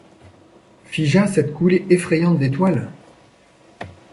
Figea cette coulée effrayante d’étoiles ?